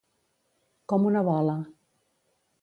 Com una bola.